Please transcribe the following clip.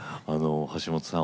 橋本さん